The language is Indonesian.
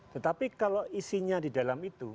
tetapi kalau isinya di dalam itu